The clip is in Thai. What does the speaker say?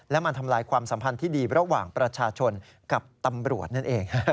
และมันทำลายความสัมพันธ์ที่ดีระหว่างประชาชนกับตำรวจนั่นเอง